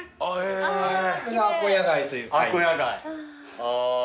アコヤガイという貝。